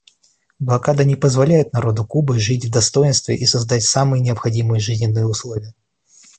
Блокада не позволяет народу Кубы жить в достоинстве и создать самые необходимые жизненные условия.